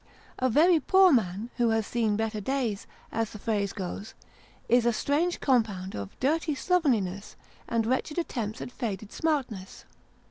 A very poor man, " who has seen better days," as the phrase goes, is a strange compound of dirty slovenliness and wretched attempts at faded smartness.